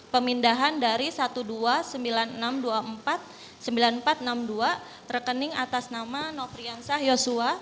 pemindahan dari satu dua sembilan enam dua empat sembilan empat enam dua rekening atas nama nofrian shah yosua